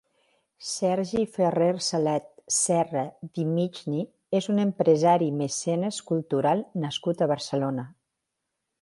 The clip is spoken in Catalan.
Sergi Ferrer-Salat Serra di Migni és un empresari i mecenes cultural nascut a Barcelona.